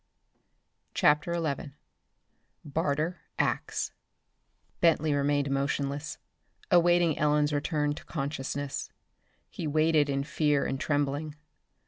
CHAPTER XI Barter Acts Bentley remained motionless, awaiting Ellen's return to consciousness. He waited in fear and trembling.